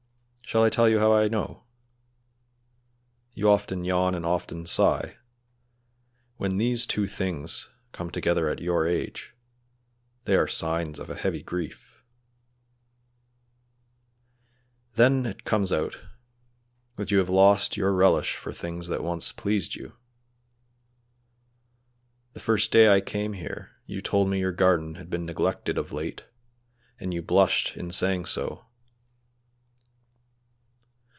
Shall I tell you how I know? You often yawn and often sigh; when these two things come together at your age they are signs of a heavy grief; then it comes out that you have lost your relish for things that once pleased you. The first day I came here you told me your garden had been neglected of late, and you blushed in saying so.